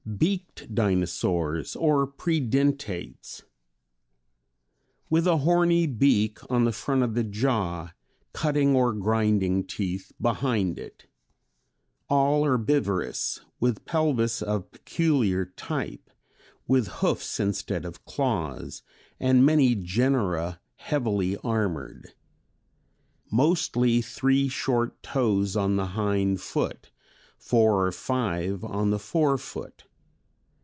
III. Beaked Dinosaurs or Predentates. With a horny beak on the front of the jaw, cutting or grinding teeth behind it. All herbivorous, with pelvis of peculiar type, with hoofs instead of claws, and many genera heavily armored. Mostly three short toes on the hind foot, four or five on the fore foot.